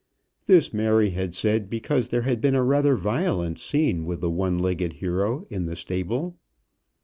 This Mary had said, because there had been rather a violent scene with the one legged hero in the stable.